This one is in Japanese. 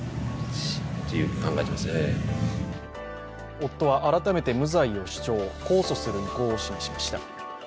夫は改めて無罪を主張、控訴する意向を示しました。